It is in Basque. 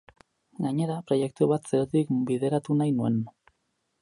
Gainera, proiektu bat zerotik bideratu nahi nuen.